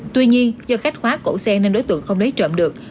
tuy nhiên do khách khóa cổ xe nên đối tượng không lấy trộm được